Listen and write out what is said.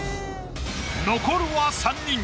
残るは三人。